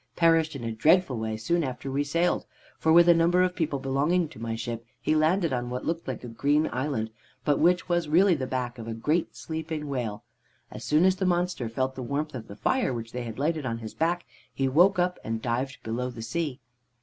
perished in a dreadful way soon after we sailed, for with a number of people belonging to my ship he landed on what looked like a green island, but which was really the back of a great sleeping whale. As soon as the monster felt the warmth of the fire which they had lighted on his back, he woke up and dived below the sea.